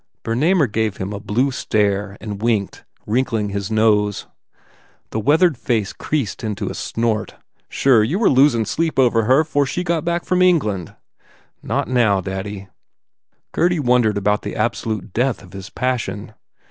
Bernamer gave him a blue stare and winked, wrinkling his nose. His weathered face creased into a snort. "Sure, you were losin sleep over her fore she got back from England." "Not now, daddy." Gurdy wondered about the absolute death of his passion.